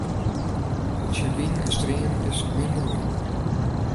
Tsjin wyn en stream is 't min roeien.